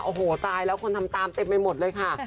โอ้โหตายแล้วคนทำตามเต็มไปหมดเลยค่ะ